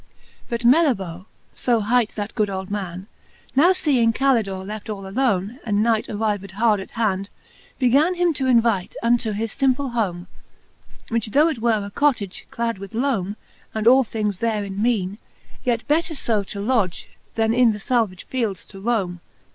XVI. But Melthoee (fo hight that good old man) Now feeing Calidore left all alone, And night arrived hard at hand, began Him to invite unto his fimple home ; Which though it were a cottage clad with lome, And all things therein meane, yet better fo To lodge, then in the falvage fields to rome.